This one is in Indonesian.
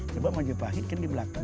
coba menyebahkan di belakang